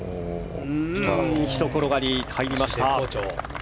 ひと転がり、入りました。